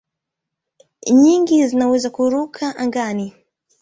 Nyingi zinaweza kuruka angani.